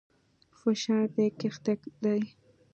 فشار دې کښته دى.